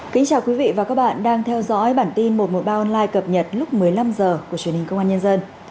chào mừng quý vị đến với bản tin một trăm một mươi ba online cập nhật lúc một mươi năm h của truyền hình công an nhân dân